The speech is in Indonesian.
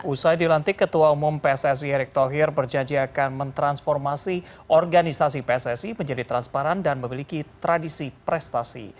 usai dilantik ketua umum pssi erick thohir berjanji akan mentransformasi organisasi pssi menjadi transparan dan memiliki tradisi prestasi